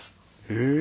へえ。